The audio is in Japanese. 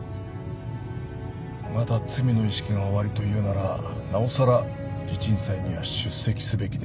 まだ罪の意識がおありと言うならなおさら地鎮祭には出席すべきです。